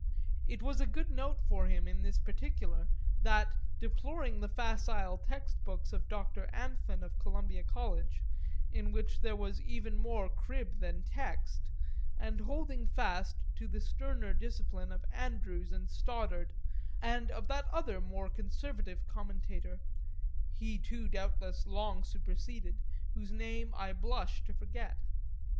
It was a good note for him in this particular that, deploring the facile text books of Doctor Anthon of Columbia College, in which there was even more crib than text, and holding fast to the sterner discipline of Andrews and Stoddard and of that other more conservative commentator (he too doubtless long since superseded) whose name I blush to forget.